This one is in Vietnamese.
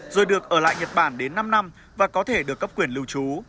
rồi được ở lại nhật bản đến năm năm và có thể được cấp quyền lưu trú